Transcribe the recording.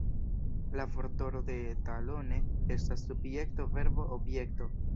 La vortordo de "Ta lo ne" estas subjekto-verbo-objekto.